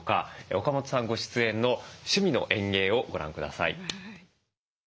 岡本さんご出演の「趣味の園芸」をご覧下さい。